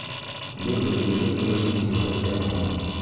Бер бөтөндөң өлөшөн күрһәткән һан.